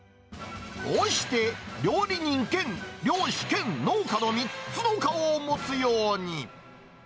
こうして料理人兼漁師兼農家の３つの顔を持つように。